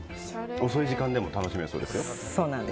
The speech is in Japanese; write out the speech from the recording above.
遅い時間でも楽しめそうですね。